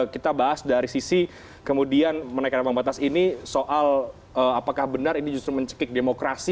kita bahas dari sisi kemudian menaikkan ambang batas ini soal apakah benar ini justru mencekik demokrasi